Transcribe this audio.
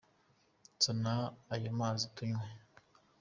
Zana ayo mazi tunywe.